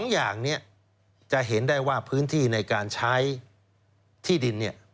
๒อย่างนี้จะเห็นได้ว่าพื้นที่ในการใช้ที่ดินเนี่ย